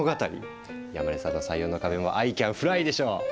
山根さんの採用の壁もアイ・キャン・フライでしょう？